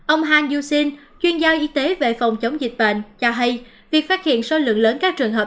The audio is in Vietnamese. ông han yuxin chuyên gia y tế về phòng chống dịch bệnh cho hay việc phát hiện số lượng lớn các trường hợp